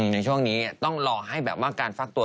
ในช่วงนี้ต้องรอให้แบบว่าการฟักตัว